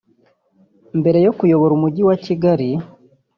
Mbere yo kuyobora Umujyi wa Kigali